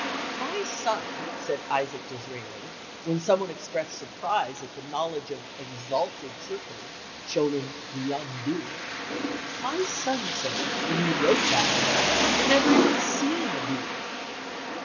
"My son," said Isaac Disraeli, when some one expressed surprise at the knowledge of "exalted circles" shown in The Young Duke, "my son, sir, when he wrote that book, had never even seen a duke."